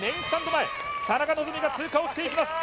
前田中希実が通過をしていきます